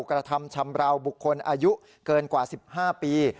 กระทำชำราวบุคคลอายุเกินกว่า๑๕ปี